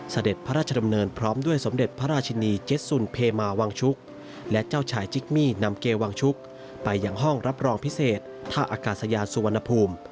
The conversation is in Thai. เสด็จพระราชดำเนินพร้อมด้วยสมเด็จพระราชินีเจ็ดสุนเพมาวังชุกและเจ้าชายจิกมี่นำเกวังชุกไปยังห้องรับรองพิเศษท่าอากาศยานสุวรรณภูมิ